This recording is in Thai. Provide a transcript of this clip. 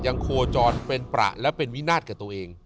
โคจรเป็นประและเป็นวินาศกับตัวเอง